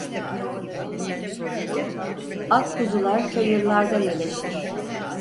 Ak kuzular çayırlarda meleşir.